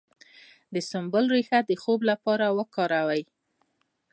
د سنبل ریښه د خوب لپاره وکاروئ